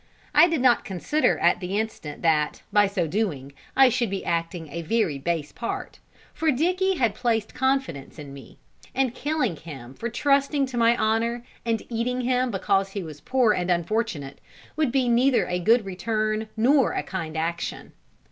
I did not consider at the instant that, by so doing, I should be acting a very base part, for Dicky had placed confidence in me; and killing him for trusting to my honour, and eating him because he was poor and unfortunate, would be neither a good return nor a kind action.